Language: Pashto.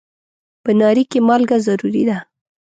په ناري کې مالګه ضروري ده.